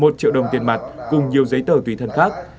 một triệu đồng tiền mặt cùng nhiều giấy tờ tùy thân khác